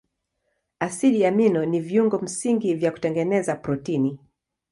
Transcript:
Asidi amino ni viungo msingi vya kutengeneza protini.